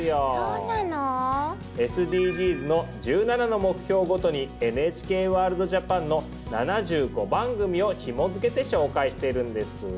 ＳＤＧｓの１７の目標ごとに「ＮＨＫワールドＪＡＰＡＮ」の７５番組をひもづけて紹介してるんです。